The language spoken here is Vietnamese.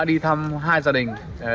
đi thăm hai gia đình